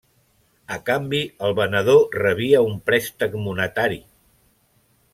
A canvi, el venedor rebia un préstec monetari.